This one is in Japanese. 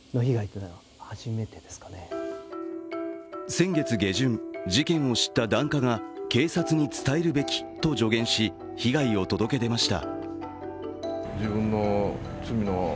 先月下旬、事件を知った檀家が警察に伝えるべきと助言し、被害を届け出ました。